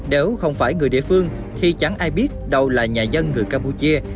nếu không phải người địa phương thì chẳng ai biết đâu là nhà dân người campuchia